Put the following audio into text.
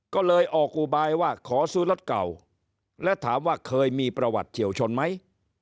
ก็เลยออกอุบายว่าขอซื้อรถเก่าและถามว่าเคยมีประวัติเฉียวชนไหม